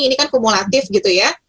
ini kan kumulatif gitu ya